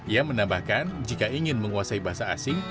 ia menambahkan jika ingin menguasai bahasa asing